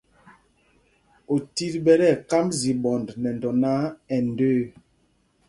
Otit ɓɛ tí ɛkámb ziɓɔnd nɛ dɔ náǎ, ɛ ndəə.